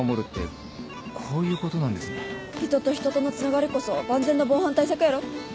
人と人とのつながりこそ万全な防犯対策やろ？